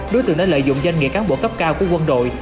đối tượng đã lợi dụng danh nghĩa cán bộ cấp cao của quân đội